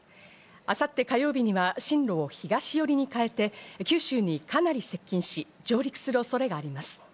明後日火曜日には進路を東よりに変えて、九州にかなり接近し、上陸する恐れがあります。